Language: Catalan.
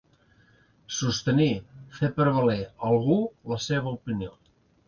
Sostenir, fer prevaler, algú, la seva opinió.